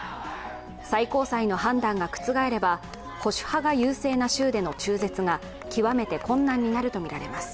最高裁の判断が覆れば保守派が優勢な州での中絶が極めて困難になるとみられます。